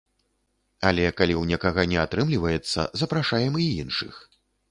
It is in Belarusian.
Але калі ў некага не атрымліваецца, запрашаем і іншых.